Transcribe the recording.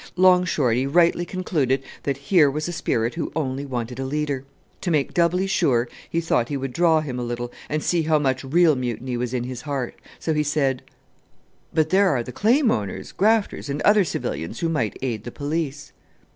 Long Shorty rightly concluded that here was a spirit who only wanted a leader. To make doubly sure he thought he would draw him a little and see how much real mutiny was in his heart; so he said, "But there are the claim owners, grafters, and other civilians who might aid the police."